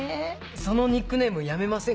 そのニックネームやめませんか？